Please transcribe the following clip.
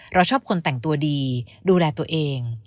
เราชอบคนแต่งตัวดีดูแลตัวเอง